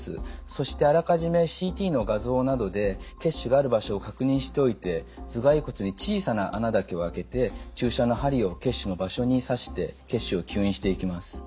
そしてあらかじめＣＴの画像などで血腫がある場所を確認しておいて頭蓋骨に小さな穴だけをあけて注射の針を血腫の場所に刺して血腫を吸引していきます。